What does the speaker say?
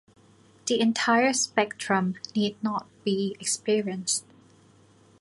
The entire spectrum need not be experienced.